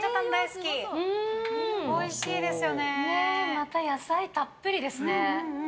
また野菜たっぷりですね。